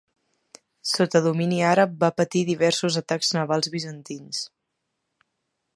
Sota domini àrab va patir diversos atacs navals bizantins.